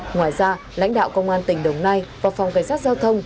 ngoài ra lãnh đạo công an tỉnh đồng nai và phòng cảnh sát giao thông